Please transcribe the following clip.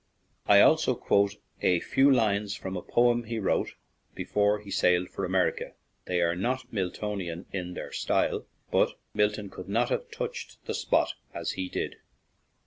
I also quote a few lines from a poem he wrote 58 BALLYSHANNON TO SLIGO before he sailed for America; they are not Miltonian in their style, but Milton could not have touched the spot as he did.